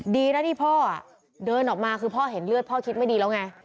ดีนะที่พ่อเดินออกมาคือพ่อเห็นเลือดพ่อคิดไม่ดีแล้วไง